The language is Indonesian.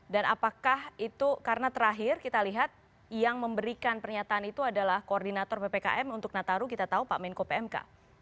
dan apakah itu karena terakhir kita lihat yang memberikan pernyataan itu adalah koordinator ppkm untuk nataru kita tahu pak menko pmk